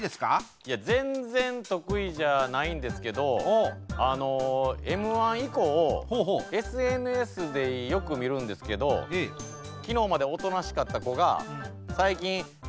いや全然得意じゃないんですけどＭ−１以降ＳＮＳでよく見るんですけど昨日までおとなしかった子が最近いきなり「何や！」